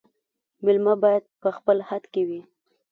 مېلمه باید په خپل حد کي وي